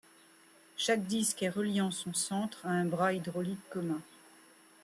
Chaque disque est relié en son centre à un bras hydraulique commun.